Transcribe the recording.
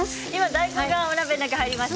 大根がお鍋の中に入りました。